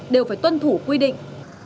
đều phải tuân thủ quy định